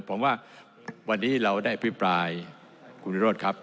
ผมว่าวันนี้เราได้อภิปรายคุณวิโรธครับ